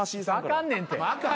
あかんねんって。